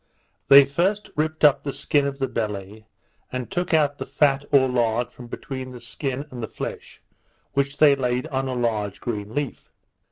They first ripped up the skin of the belly, and took out the fat or lard from between the skin and the flesh, which they laid on a large green leaf.